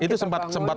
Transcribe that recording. itu sempat terpikir